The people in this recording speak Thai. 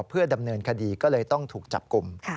เพื่อดำเนินคดีก็เลยต้องถูกจับกลุ่ม